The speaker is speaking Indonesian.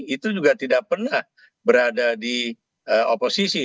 itu juga tidak pernah berada di oposisi